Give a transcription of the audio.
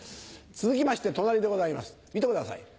続きまして隣でございます見てください。